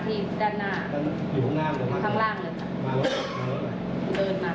พี่ผิดตรงไหนคุณก็แสดงเกตนามาสิ